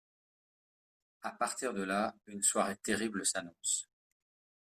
À partir de là, une soirée terrible s'annonce.